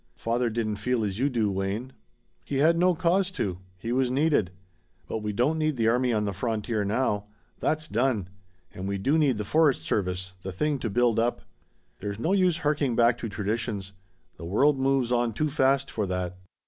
"Father didn't feel as you do, Wayne." "He had no cause to. He was needed. But we don't need the army on the frontier now. That's done. And we do need the forest service the thing to build up. There's no use harking back to traditions. The world moves on too fast for that.